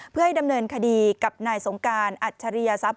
เพื่อให้ดำเนินคดีกับนายสงการอัจฉริยศัพย